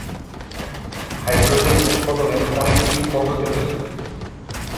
Hydrogen উৎপাদনের অনেকগুলি পদ্ধতি রয়েছে।